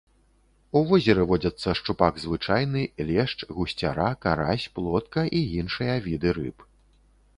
У возеры водзяцца шчупак звычайны, лешч, гусцяра, карась, плотка і іншыя віды рыб.